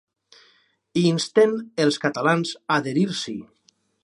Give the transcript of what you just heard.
I insten els catalans a adherir-s’hi.